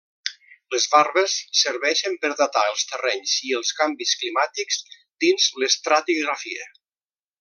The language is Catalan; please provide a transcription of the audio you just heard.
Les varves serveixen per datar els terrenys i els canvis climàtics dins l'estratigrafia.